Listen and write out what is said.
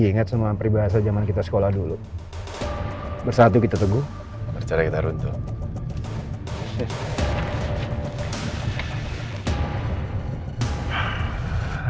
ingat semua peribahasa zaman kita sekolah dulu bersatu kita teguh cara kita runtuh